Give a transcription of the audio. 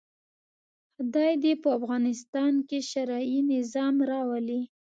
خدای دې په افغانستان کې شرعي نظام راولي.